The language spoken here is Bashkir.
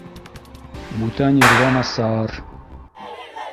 Бүтән ерҙә насар!